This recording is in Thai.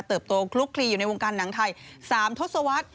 ตัวคลุกคลีอยู่ในวงการหนังไทย๓ทศวรรษ